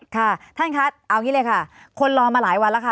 ค่ะท่านคะเอางี้เลยค่ะคนรอมาหลายวันแล้วค่ะ